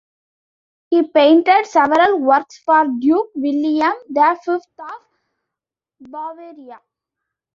He painted several works for Duke William the Fifth of Bavaria.